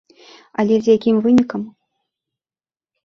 Але з якім вынікам!